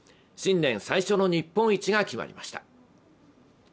新年最初の日本一が決まりました。